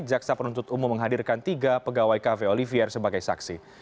jaksa penuntut umum menghadirkan tiga pegawai cafe olivier sebagai saksi